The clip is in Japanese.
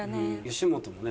吉本もね